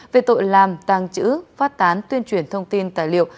về tội làm tàng trữ phát tán tuyên truyền thông tin tài liệu